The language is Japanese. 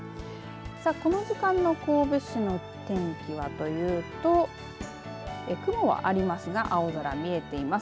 この時間の神戸市の天気はというと雲はありますが青空見えています。